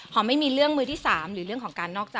ไม่มีเรื่องมือที่๓หรือเรื่องของการนอกใจ